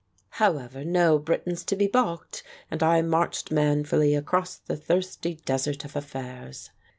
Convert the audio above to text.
However, "no Briton's to be baulked," and I marched manfully across the thirsty desert of affairs.